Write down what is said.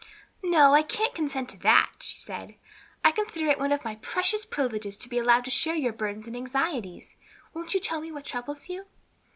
"No, I can't consent to that," she said. "I consider it one of my precious privileges to be allowed to share your burdens and anxieties. Won't you tell me what troubles you?"